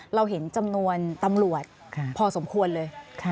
เราเห็นจำนวนตำรวจพอสมควรเลย